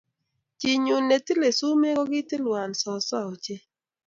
Chiinyu ne tile sumee ko katilwan soso ochei.